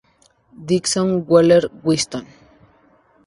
Dixon, Wheeler Winston.